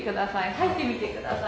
入ってみてください。